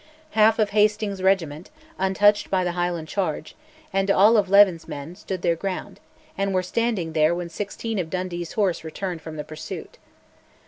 Half of Hastings' regiment, untouched by the Highland charge, and all of Leven's men, stood their ground, and were standing there when sixteen of Dundee's horse returned from the pursuit.